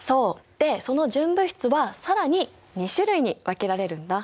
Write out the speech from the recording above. でその純物質は更に２種類に分けられるんだ。